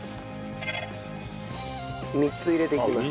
３つ入れていきます。